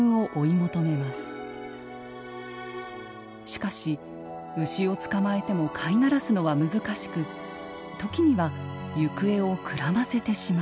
しかし牛を捕まえても飼い慣らすのは難しく時には行方をくらませてしまう。